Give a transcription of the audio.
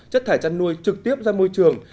chất thải chăn nuôi trực tiếp ra môi trường